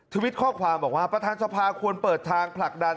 วิตข้อความบอกว่าประธานสภาควรเปิดทางผลักดัน